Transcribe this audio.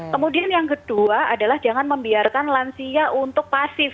kemudian yang kedua adalah jangan membiarkan lansia untuk pasif